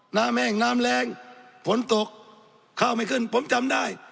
หน้าแม่งหน้าแรงผลตกเข้าไม่ขึ้นผมจำได้